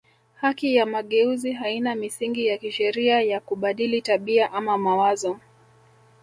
Haki ya mageuzi haina misingi ya kisheria ya kubadili tabia ama mawazo